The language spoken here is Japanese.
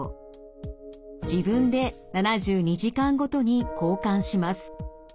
自分で７２時間ごとに交換します。